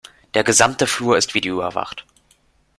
Der gesamte Flur ist videoüberwacht.